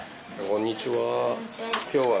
こんにちは。